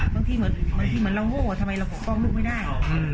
บางทีเหมือนเราโง่ทำไมเราปกป้องลูกไม่ได้